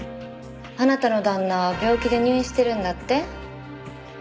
あなたの旦那病気で入院してるんだって？